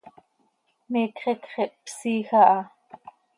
Miicx iicx ihpsiij aha.